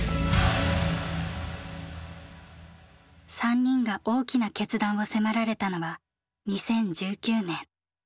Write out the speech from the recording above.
３人が大きな決断を迫られたのは２０１９年。